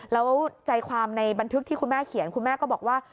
แล้วใจความในบันทึกที่คุณแม่เขียนคุณแม่ก็บอกว่า